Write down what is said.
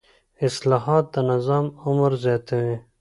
اصلاحات د نظام عمر زیاتوي